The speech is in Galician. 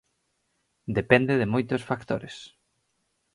Depende de moitos factores.